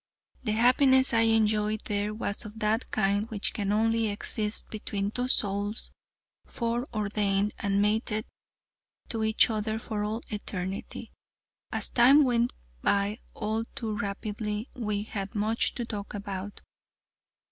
The happiness I enjoyed there, was of that kind which can only exist between two souls fore ordained and mated to each other for all eternity. As the time went by all too rapidly we had much to talk about.